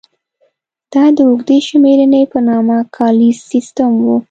دا د اوږدې شمېرنې په نامه کالیز سیستم و.